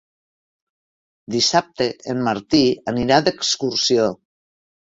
Dissabte en Martí anirà d'excursió.